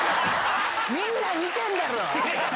みんな見てんだろ！